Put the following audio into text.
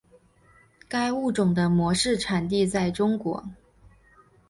该物种的模式产地在中国。